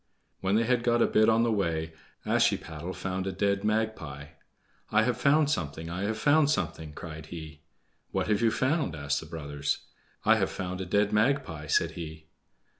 When they had got a bit on the way Ashiepattle found a dead magpie. "I have found something! I have found something!" cried he. "What have you found?" asked the brothers. "I have found a dead magpie," said he.